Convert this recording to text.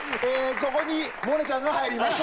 ここに百音ちゃんが入ります。